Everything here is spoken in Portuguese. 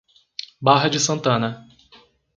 Barra de Santana